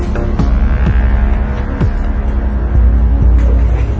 ทุกคนกำลังผ่านนะครับ